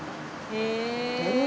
へえ。